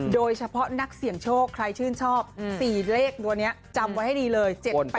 โดยเฉพาะนักเสี่ยงโชคใครชื่นชอบ๔เลขตัวนี้จำไว้ให้ดีเลย๗๘